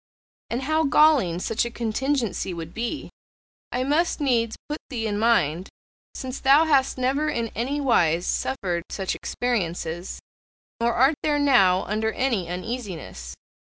And how galling such a contingency would be, I must needs put thee in mind, since thou hast never in any wise suffered such experiences, nor art thou now under any uneasiness.